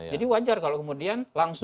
jadi wajar kalau kemudian langsung